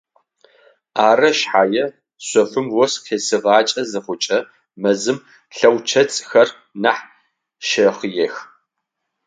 Ары шъхьае шъофым ос къесыгъакӏэ зыхъукӏэ мэзым лэучэцӏхэр нахь щэхъыех.